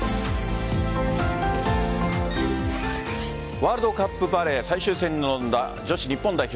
ワールドカップバレー最終戦に臨んだ女子日本代表。